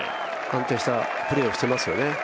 安定したプレーをしてますよね。